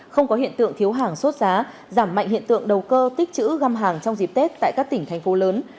không có hiện tượng thiếu hàng sốt giá giảm mạnh hiện tượng đầu cơ tích chữ găm hàng trong dịp tết tại các tỉnh thành phố lớn